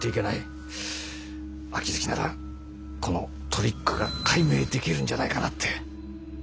秋月ならこのトリックが解明できるんじゃないかなって。